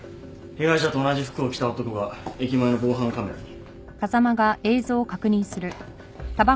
被害者と同じ服を着た男が駅前の防犯カメラに。